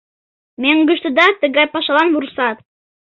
Мӧҥгыштыда тыгай пашалан вурсат.